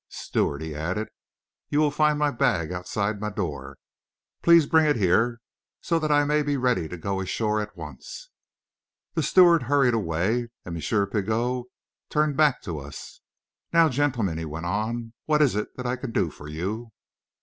Steward," he added, "you will find my bag outside my door. Please bring it here, so that I may be ready to go ashore at once." The steward hurried away, and M. Pigot turned back to us. "Now, gentlemen," he went on, "what is it that I can do for you?"